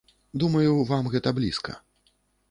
Думаю, вам гэта блізка.